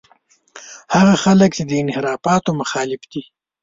هغه خلک چې د انحرافاتو مخالف دي.